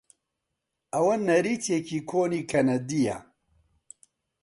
ئەوە نەریتێکی کۆنی کەنەدییە.